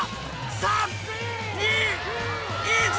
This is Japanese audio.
３・２・１。